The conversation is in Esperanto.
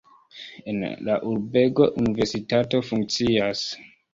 En la urbego universitato funkcias.